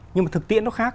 nhưng mà thực tiễn nó khác